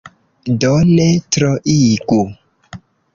Do, ne troigu.